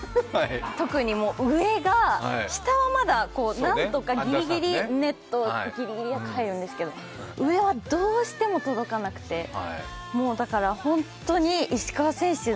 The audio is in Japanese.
特に上が、下はまだ何とかギリギリネットギリギリ入るんですけど上はどうしても届かなくてだからホントに石川選手